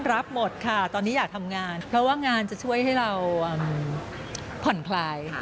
รับหมดค่ะตอนนี้อยากทำงานเพราะว่างานจะช่วยให้เราผ่อนคลาย